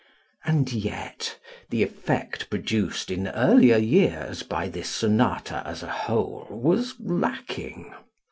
And yet the effect produced in earlier years by this sonata as a whole was lacking.